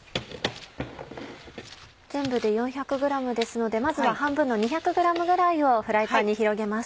全部で４００ｇですのでまずは半分の２００ｇぐらいをフライパンに広げます。